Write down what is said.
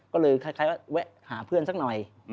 ก็เลยคล้ายว่าแวะหาเพื่อนสักหน่อย